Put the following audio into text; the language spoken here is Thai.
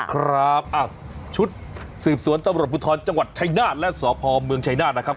ครับชุดสืบสวนตลอดพุทธรจังหวัดชัยนาธและสวพอร์เมืองชัยนาธนะครับ